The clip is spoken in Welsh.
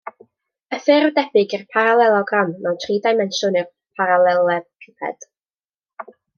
Y ffurf debyg i'r paralelogram, mewn tri dimensiwn yw'r paralelepiped.